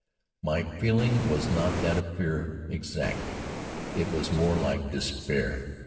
My feeling was not that of fear, exactly. It was more like despair.